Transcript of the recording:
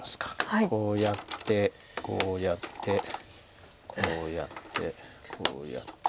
こうやってこうやってこうやってこうやって。